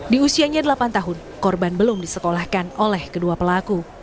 di usianya delapan tahun korban belum disekolahkan oleh kedua pelaku